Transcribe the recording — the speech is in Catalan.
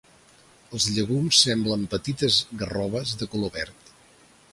Els llegums semblen petites garroves de color verd.